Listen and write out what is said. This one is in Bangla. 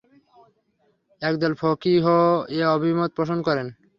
একদল ফকীহও এ অভিমত পোষণ করেন।